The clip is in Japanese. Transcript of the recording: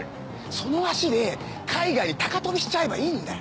その足で海外に高飛びしちゃえばいいんだよ。